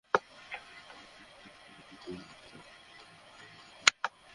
Police জানায়, গতকাল রাতে ঘটনার পরপরই পুলিশ তিনজন হামলাকারী সম্পর্কে ধারণা পায়।